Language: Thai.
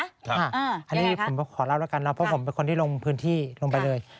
อันนี้ผมขอเล่าแล้วกันนะเพราะผมเป็นคนที่ลงพื้นที่ลงไปเลย